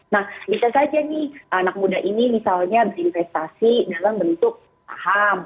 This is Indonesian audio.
nah bisa saja nih anak muda ini misalnya berinvestasi dalam bentuk saham